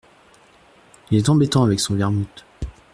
Il est embêtant avec son vermouth !…